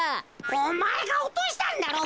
おまえがおとしたんだろ。